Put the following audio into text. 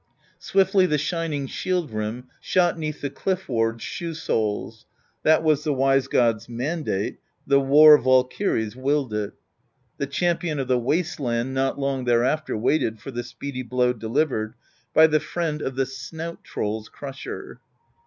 Swiftly the shining shield rim Shot 'neath the ClifF Ward's shoe soles; That was the wise gods' mandate. The War Valkyrs willed it. The champion of the Waste Land Not long thereafter waited For the speedy blow delivered By the Friend of the snout trolPs crusher.